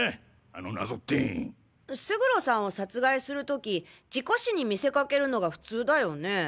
あの謎って。勝呂さんを殺害する時事故死に見せかけるのが普通だよね？